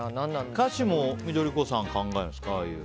歌詞も緑子さんが考えたんですか？